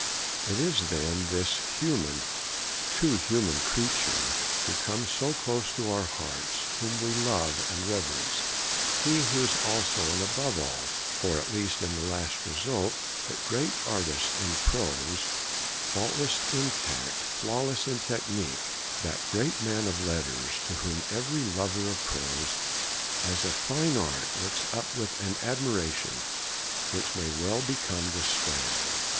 It is, then, this 'human, too human' creature, who comes so close to our hearts, whom we love and reverence, who is also, and above all, or at least in the last result, that great artist in prose, faultless in tact, flawless in technique, that great man of letters, to whom every lover of 'prose as a fine art' looks up with an admiration which may well become despair.